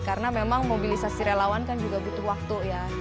karena mobilisasi relawan kan memang butuh waktu